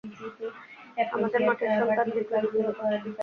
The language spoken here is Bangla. আমাদের মাটির সন্তান দীর্ঘজীবী হোক।